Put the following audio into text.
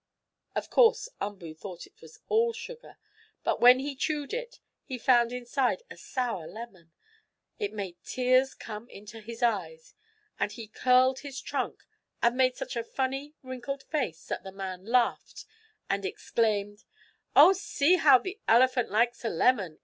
Of course Umboo thought it was all sugar, but when he chewed it, and found inside a sour lemon, it made tears come into his eyes, and he curled his trunk, and made such a funny, wrinkled face, that the man laughed and exclaimed: "Oh, see how the elephant likes a lemon!